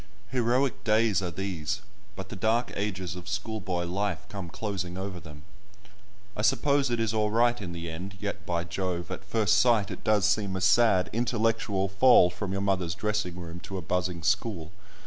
Heroic days are these, but the dark ages of schoolboy life come closing over them. I suppose it is all right in the end, yet, by Jove, at first sight it does seem a sad intellectual fall from your mother's dressing room to a buzzing school.